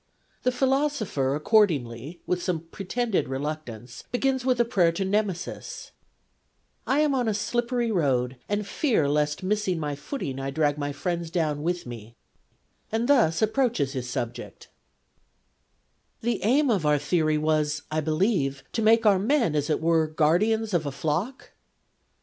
The philosopher accordingly, with some pretended reluctance, begins with a prayer to Nemesis —' I am on a slippery road, and fear lest missing my footing I drag my M 170 FEMINISM IN GREEK LITERATURE friends down with me '— and thus approaches his subject :' The aim of our theory was, I believe, to make our men, as it were, guardians of a flock